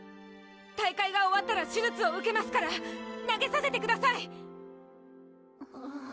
大会が終わったら手術を受けますから投げさせてください！